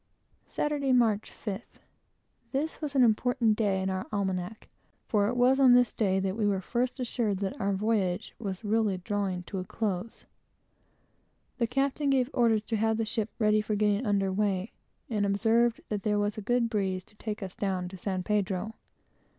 Saturday, March 5th. This was an important day in our almanac, for it was on this day that we were first assured that our voyage was really drawing to a close. The captain gave orders to have the ship ready for getting under weigh; and observed that there was a good breeze to take us down to San Pedro.